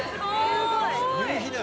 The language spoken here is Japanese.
すごい！